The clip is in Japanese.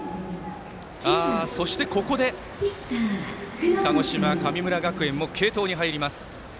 そして、ここで鹿児島、神村学園も継投に入ります。